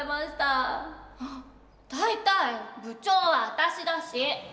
あっ大体部長は私だし。